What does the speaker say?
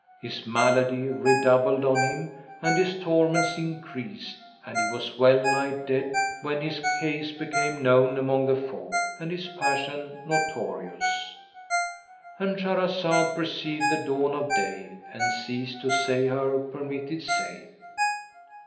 His malady redoubled on him and his torments increased and he was well nigh dead when his case became known among the folk and his passion notorious;—And Shahrazad perceived the dawn of day and ceased to say her permitted say.